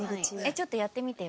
ちょっとやってみてよ。